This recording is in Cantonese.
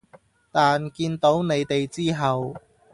但見到你哋之後